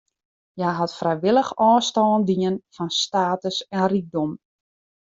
Hja hat frijwillich ôfstân dien fan status en rykdom.